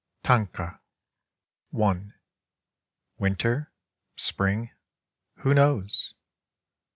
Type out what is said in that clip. Tanka I Winter? Spring? Who knows!